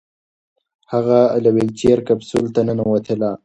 هغې له ویلچیر کپسول ته ننوتله.